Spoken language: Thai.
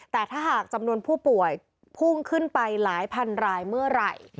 แต่ถ้าหากจำนวนผู้ป่วยพุ่งขึ้นไปหลายพันรายเมื่อไหร่